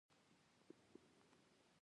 علي غول پکې وکړ؛ جرګه وځنډېده.